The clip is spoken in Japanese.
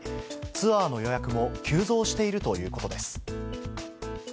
ツアーの予約も急増しているということです。